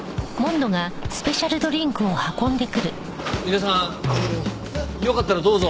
皆さんよかったらどうぞ。